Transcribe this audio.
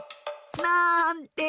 なんて。